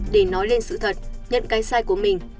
để nói lên sự thật nhận cái sai của mình